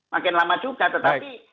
makin lama juga tetapi